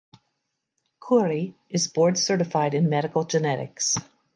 Khoury is board certified in Medical Genetics.